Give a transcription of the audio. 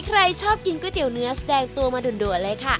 ใครชอบกินก๋วยเตี๋ยวเนื้อแสดงตัวมาด่วนเลยค่ะ